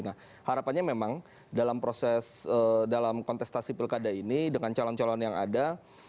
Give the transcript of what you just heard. nah harapannya memang dalam proses dalam kontestasi pilkada ini dengan calon calon yang ada